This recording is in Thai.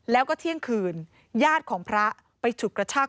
แล้วก็เที่ยงคืนญาติของพระไปฉุดกระชาก